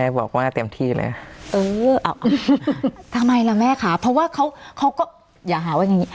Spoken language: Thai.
เออทำไมล่ะแม่คะเพราะว่าเขาก็อย่าหาว่าอย่างนี้